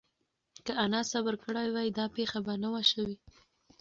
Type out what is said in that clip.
که انا صبر کړی وای، دا پېښه به نه وه شوې.